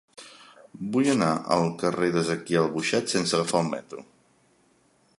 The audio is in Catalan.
Vull anar al carrer d'Ezequiel Boixet sense agafar el metro.